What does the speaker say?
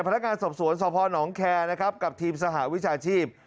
พนักงานสอบสวนสพนแคร์นะครับกับทีมสหวิชาชีพ